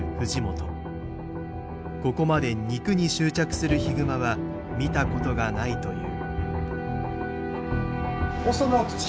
ここまで肉に執着するヒグマは見たことがないという。